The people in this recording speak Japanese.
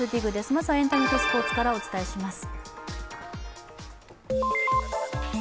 まずはエンタメとスポーツからお伝えします。